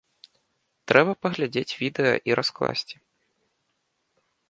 Трэба паглядзець відэа і раскласці.